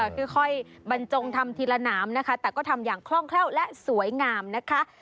ค่อยบรรจงทำทีละหนามนะคะแต่ก็ทำอย่างคล่องแคล่วและสวยงามนะคะ